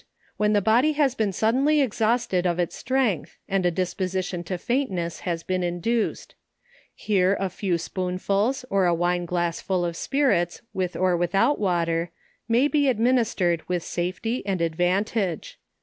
When the body has been suddenly exhausted of it« strength, and a disposition to faintness has been induced. Here a few spoonfuls, or a wine glassful of spirits, with or without water, may be administered with safety, and advantage.